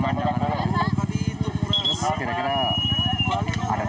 maupun menggunakan sesi rules